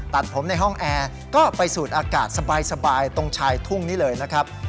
ตัดผมในห้องแอร์ก็ไปสูดอากาศสบายตรงชายทุ่งนี้เลยนะครับ